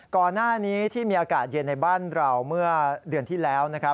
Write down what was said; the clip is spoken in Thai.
ก่อนหน้านี้ที่มีอากาศเย็นในบ้านเราเมื่อเดือนที่แล้วนะครับ